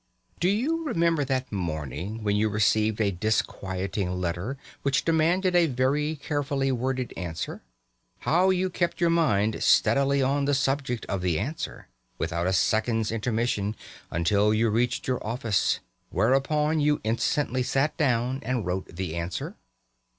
Do you not remember that morning when you received a disquieting letter which demanded a very carefully worded answer? How you kept your mind steadily on the subject of the answer, without a second's intermission, until you reached your office; whereupon you instantly sat down and wrote the answer?